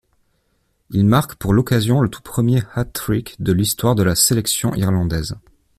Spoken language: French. Il marque pour l'occasion le tout premier hat-trick de l'histoire de la sélection irlandaise.